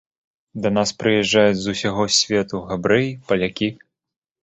Да нас прыязджаюць з усяго свету габрэі, палякі.